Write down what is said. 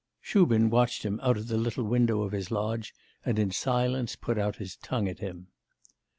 Shubin watched him out of the little window of his lodge, and in silence put out his tongue at him.